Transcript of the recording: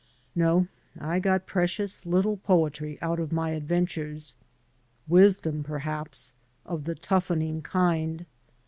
No, I got precious little poetry out of my adventures. Wisdom, perhaps — of the toughening kind.